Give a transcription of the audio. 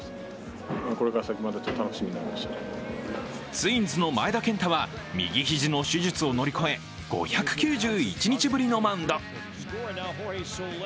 ツインズの前田健太は右肘の手術を乗り越え５９１日ぶりのマウンド。